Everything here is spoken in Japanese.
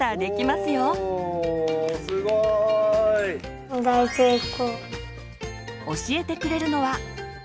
すごい！教えてくれるのは。